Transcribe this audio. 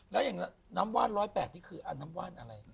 แล้วอย่างน้ำว่าน๑๐๘นี่คือน้ำว่านอะไร